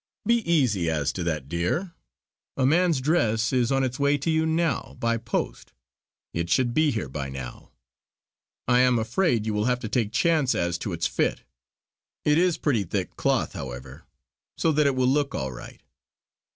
"Be easy as to that, dear. A man's dress is on its way to you now by post. It should be here by now. I am afraid you will have to take chance as to its fit. It is of pretty thick cloth, however, so that it will look all right."